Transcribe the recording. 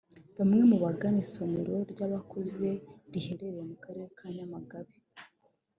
Bamwe mu bagana isomero ry’abakuze riherereye mu karere ka Nyamagabe